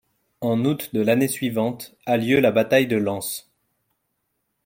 En août de l'année suivante, a lieu la bataille de Lens.